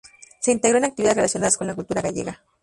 Se integró en actividades relacionadas con la cultura gallega.